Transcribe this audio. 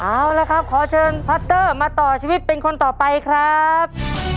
เอาละครับขอเชิญพัตเตอร์มาต่อชีวิตเป็นคนต่อไปครับ